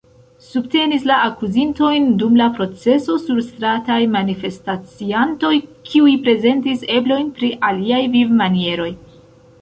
Subtenis la akuzintojn dum la proceso surstrataj manifestaciantoj, kiuj prezentis eblojn pri aliaj vivmanieroj.